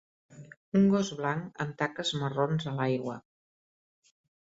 Un gos blanc amb taques marrons a l'aigua.